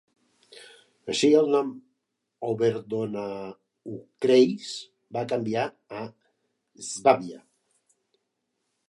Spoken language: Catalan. Així, el nom Oberdonaukreis va canviar a Swabia.